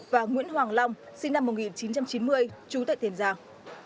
và nguyễn hoàng long sinh năm một nghìn chín trăm chín mươi chú tại tiền giang